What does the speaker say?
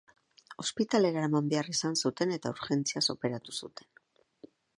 Ospitalera eraman behar izan zuten eta urgentziaz operatu zuten.